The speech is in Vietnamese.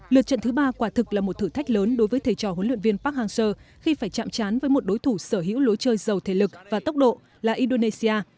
lượt trận thứ ba quả thực là một thử thách lớn đối với thầy trò huấn luyện viên park hang seo khi phải chạm chán với một đối thủ sở hữu lối chơi giàu thể lực và tốc độ là indonesia